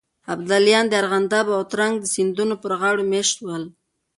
ابداليان د ارغنداب او ترنک سيندونو پر غاړو مېشت شول.